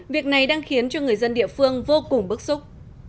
việc này đang khiến cho người dân địa phương vô cùng bức xúc